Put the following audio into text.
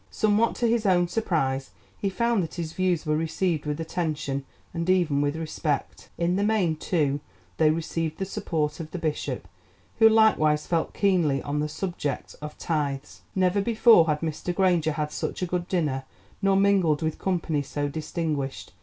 Somewhat to his own surprise, he found that his views were received with attention and even with respect. In the main, too, they received the support of the Bishop, who likewise felt keenly on the subject of tithes. Never before had Mr. Granger had such a good dinner nor mingled with company so distinguished.